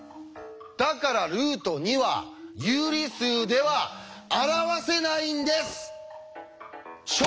だからルート２は有理数では表せないんです！